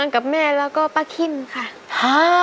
กับแม่แล้วก็ป้าคิ้นค่ะ